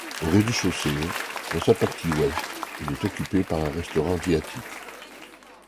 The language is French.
Au rez-de-chaussée, dans sa partie ouest, il est occupé par un restaurant asiatique.